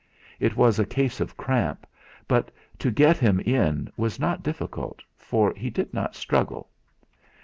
It was a case of cramp, but to get him in was not difficult, for he did not struggle.